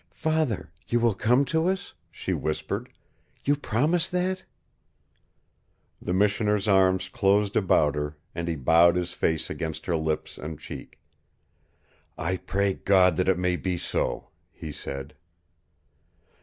"Father, you will come to us?" she whispered. "You promise that?" The Missioner's arms closed about her, and he bowed his face against her lips and cheek. "I pray God that it may be so," he said.